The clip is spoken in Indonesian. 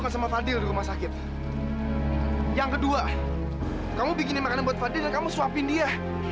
sampai jumpa di video selanjutnya